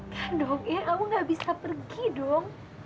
ya dong kamu gak bisa pergi dong